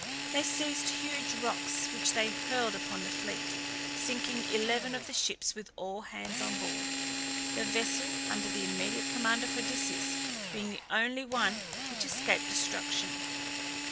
They seized huge rocks, which they hurled upon the fleet, sinking eleven of the ships with all hands, on board; the vessel under the immediate command of Odysseus being the only one which escaped destruction.